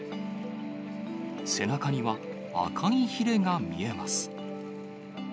背中には赤いひれが見えます。